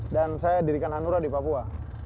saya dirikan hanura di papua